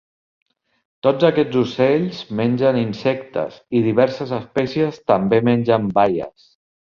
Tots aquests ocells mengen insectes i diverses espècies també mengen baies.